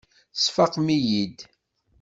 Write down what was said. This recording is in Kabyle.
Tesfaqem-iyi-id.